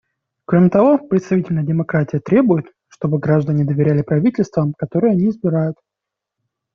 Кроме того, представительная демократия требует, чтобы граждане доверяли правительствам, которые они избирают.